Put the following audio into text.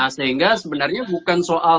sehingga sebenarnya bukan soal